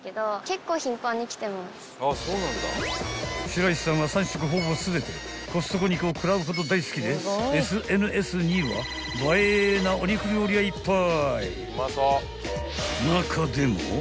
［白石さんは３食ほぼ全てコストコ肉を食らうほど大好きでＳＮＳには映えなお肉料理がいっぱい］